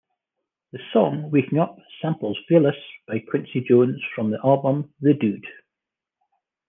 The song "Waking Up" samples "Velas" by Quincy Jones, from the album "The Dude".